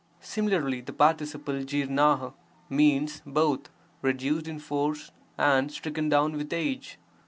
Similarly the participle 4l u ll: means both 'reduced in force' and 'stricken down with age'.